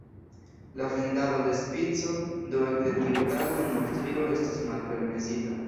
La vendado de "Spico" do ekde tiu tago en Aŭstrio estis malpermesita.